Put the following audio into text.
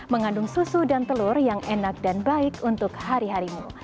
mengandung susu dan telur yang enak dan baik untuk hari harimu